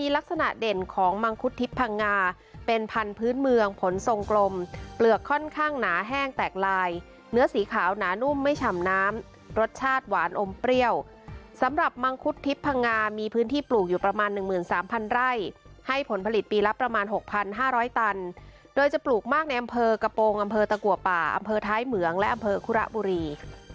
แห้งแตกลายเนื้อสีขาวหนานุ่มไม่ฉ่ำน้ำรสชาติหวานอมเปรี้ยวสำหรับมังคุดทิพย์พังงามีพื้นที่ปลูกอยู่ประมาณ๑๓๐๐๐ไร่ให้ผลผลิตปีลับประมาณ๖๕๐๐ตันโดยจะปลูกมากในอำเภอกระโปรงอำเภอตะกัวป่าอำเภอท้ายเหมืองและอำเภอคุระบุรี